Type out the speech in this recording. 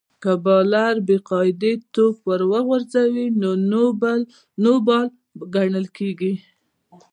که بالر بې قاعدې توپ ور وغورځوي؛ نو نو بال ګڼل کیږي.